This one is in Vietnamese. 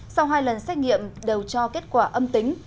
sau hai lần xét nghiệm đều cho kết quả âm tính